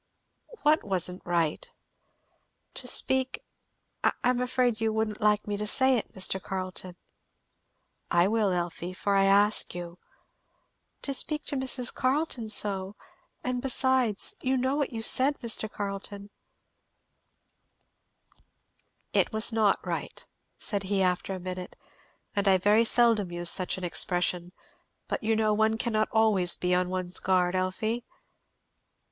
"What wasn't right?" "To speak I am afraid you won't like me to say it, Mr. Carleton." "I will, Elfie, for I ask you." "To speak to Mrs. Carleton so, and besides, you know what you said, Mr. Carleton " "It was not right," said he after a minute, "and I very seldom use such an expression, but you know one cannot always be on one's guard, Elfie?"